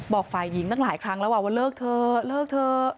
ฝ่ายหญิงตั้งหลายครั้งแล้วว่าเลิกเถอะเลิกเถอะ